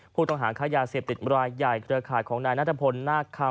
ผู้ต้องหาค้ายาเสพติดรายใหญ่เครือข่ายของนายนัทพลนาคคำ